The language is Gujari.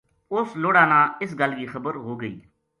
اُس لڑ ا نا اس گل کی خبر ہو گئی